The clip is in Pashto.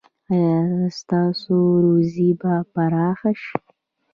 ایا ستاسو روزي به پراخه شي؟